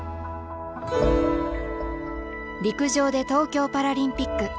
陸上で東京パラリンピック